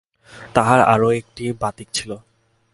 তাঁহার আর-একটি বাতিক ছিল।